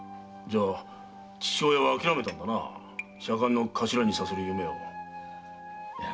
じゃあ父親はあきらめたんだな左官の頭にさせる夢を。